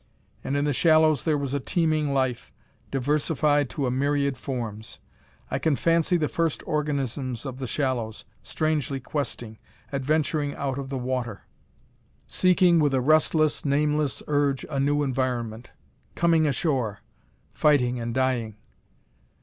And in the shallows there was a teeming life, diversified to a myriad forms. I can fancy the first organisms of the shallows strangely questing adventuring out of the water seeking with a restless, nameless urge a new environment. Coming ashore. Fighting and dying.